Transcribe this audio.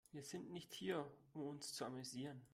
Wir sind nicht hier, um uns zu amüsieren.